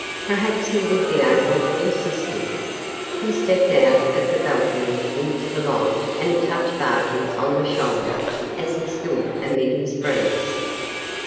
Perhaps he would be able to assist him. He stepped out of the balcony into the light and touched Barty on the shoulder as he stood amid his friends.